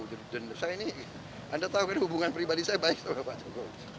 saya ini anda tahu ini hubungan pribadi saya baik sama pak jokowi